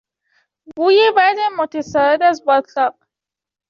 بوی بد متصاعد از باتلاق